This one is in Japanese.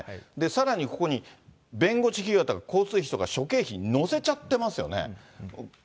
さらにここに、弁護士費用とか交通費とか諸経費乗せちゃってますよね。